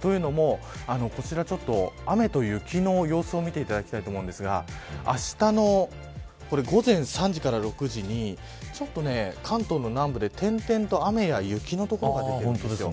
というのも、こちらちょっと雨と雪の様子を見ていただきたいと思うんですがあしたの午前３時から６時にちょっと関東の南部で点々と雨や雪の所が出ています。